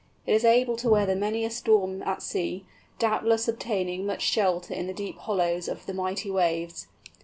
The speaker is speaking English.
It is able to weather many a storm at sea, doubtless obtaining much shelter in the deep hollows of the mighty waves.